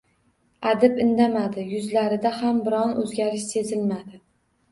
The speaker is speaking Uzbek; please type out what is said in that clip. Adib indamadi. Yuzlarida ham biron o‘zgarish sezilmadi.